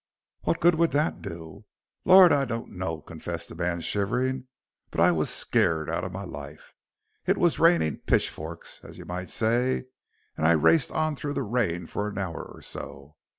"What good would that do?" "Lor', I dunno," confessed the man, shivering, "but I wos skeered out of my life. It wos rainin' pitchforks, as y'might say, and I raced on through the rain for an hour or so.